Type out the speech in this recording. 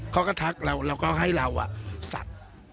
เค้าก็ทักเราแล้วก็ให้เราสัก